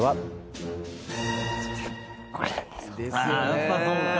やっぱそうか。